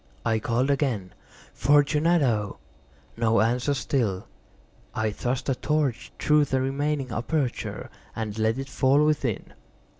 I called again— "Fortunato!" No answer still. I thrust a torch through the remaining aperture and let it fall within.